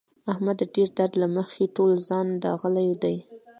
احمد د ډېر درد له مخې ټول ځان داغلی دی.